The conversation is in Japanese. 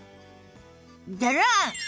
ドロン！